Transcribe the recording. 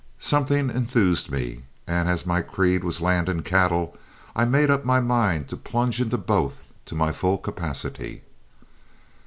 Something enthused me, and as my creed was land and cattle, I made up my mind to plunge into both to my full capacity.